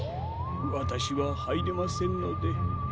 わたしははいれませんので。